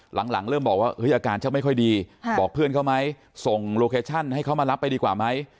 หลังเริ่มบอกว่าอาการจะไม่ค่อยดีบอกเพื่อนเขาไหมส่งโลเคชั่นให้เขามารับไปดีกว่าไหม